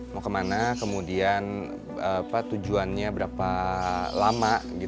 mau kemana kemudian tujuannya berapa lama